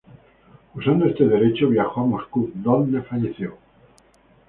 Usando este derecho, viajó a Moscú, donde falleció.